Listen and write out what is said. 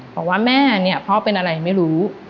บอกว่าแม่เนี่ยพ่อเป็นอะไรไม่รู้